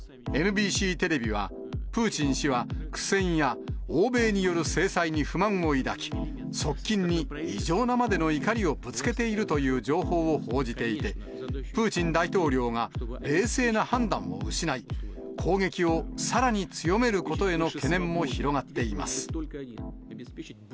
ＮＢＣテレビはプーチン氏は、苦戦や欧米による制裁に不満を抱き、側近に異常なまでの怒りをぶつけているという情報を報じていて、プーチン大統領が、冷静な判断を失い、攻撃をさらに強めることへの懸念も広がっています。